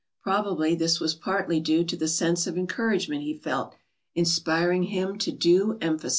Probably this was partly due to the sense of encouragement he felt, inspiring him to due emphasis.